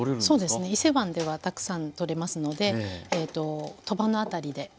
そうですね伊勢湾ではたくさん採れますので鳥羽の辺りで。